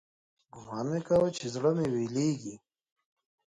ګومان مې کاوه چې زړه مې ويلېږي.